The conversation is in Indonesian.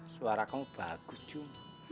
suara kamu bagus cuma